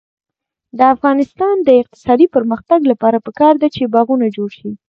د افغانستان د اقتصادي پرمختګ لپاره پکار ده چې باغونه جوړ شي.